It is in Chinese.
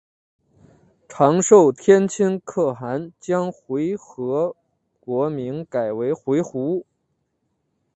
长寿天亲可汗将回纥国名改为回鹘。